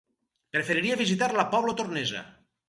Preferiria visitar la Pobla Tornesa.